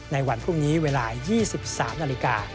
ในวันพรุ่งนี้เวลา๒๓นาฬิกา